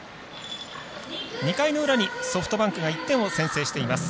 ２回の裏にソフトバンクが１点を先制しています。